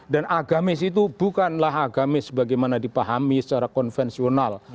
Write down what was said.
dan agamis itu bukanlah agamis bagaimana dipahami secara konvensional